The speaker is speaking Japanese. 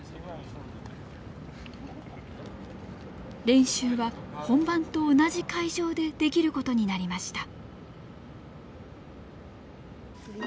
練習は本番と同じ会場でできることになりました。